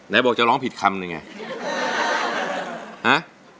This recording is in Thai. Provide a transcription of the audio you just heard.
บอกจะร้องผิดคำหนึ่งไง